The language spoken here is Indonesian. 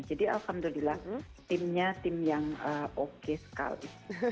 jadi alhamdulillah timnya tim yang oke sekali